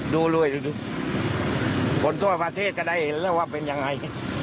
ดูรวยดูคนทั่วประเทศก็ได้เห็นแล้วว่าเป็นยังไง